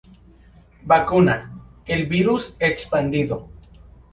Vacuna: el virus expandido.